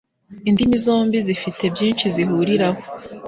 Indimi zombi zifite byinshi zihuriraho.